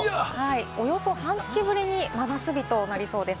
およそ半月ぶりに真夏日となりそうです。